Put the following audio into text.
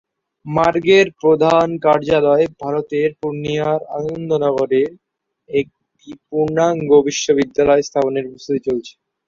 মার্গের প্রধান কার্যালয় ভারতের পূর্ণিয়ার আনন্দনগরে একটি পূর্ণাঙ্গ বিশ্ববিদ্যালয় স্থাপনের প্রস্ত্ততি চলছে।